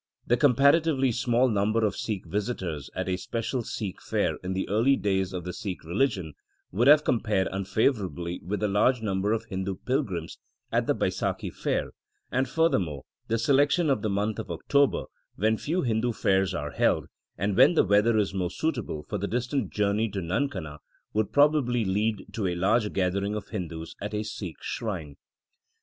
The comparatively small number of Sikh visitors at a special Sikh fair in the early days of the Sikh religion would have compared unfavourably with the large number of Hindu pilgrims at the Baisakhi fair, and furthermore, the selection of the month of October, when few Hindu fairs are held, and when the weather is more suitable for the distant journey to Nankana, would probably lead to a large gathering of Hindus at a Sikh shrine.